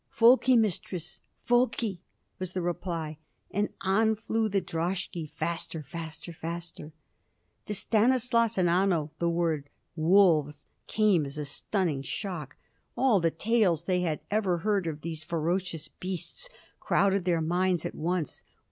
"Volki, mistress, volki!" was the reply, and on flew the droshky faster, faster, faster! To Stanislaus and Anno the word "wolves" came as a stunning shock. All the tales they had ever heard of these ferocious beasts crowded their minds at once.